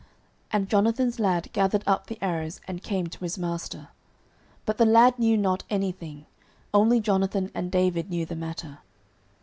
And Jonathan's lad gathered up the arrows, and came to his master. 09:020:039 But the lad knew not any thing: only Jonathan and David knew the matter.